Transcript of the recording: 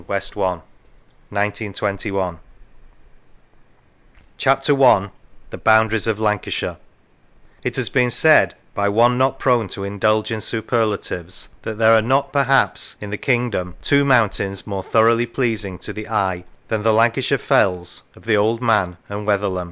WHALLEY: THE VIADUCT 228 Vlll LANCASHIRE CHAPTER I THE BOUNDARIES OF LANCASHIRE IT has been said, by one not prone to indulge in superlatives, that there are not, perhaps, in the king dom, two mountains more thoroughly pleasing to the eye than the Lancashire fells of the Old Man and Wetherlam.